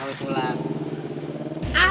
patahin sekalian tangan lo